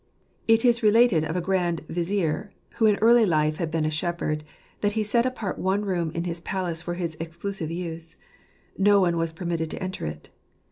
It is related of a Grand Vizier, who in early life had been a shepherd, that he set apart one room in his palace for his exclusive use. No one was permitted to enter it.